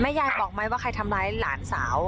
ยายบอกไหมว่าใครทำร้ายหลานสาว